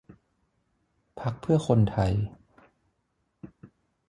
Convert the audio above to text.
พรรคเพื่อคนไทย